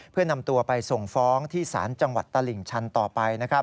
เพื่อนำตัวไปส่งฟ้องที่ศาลจังหวัดตลิ่งชันต่อไป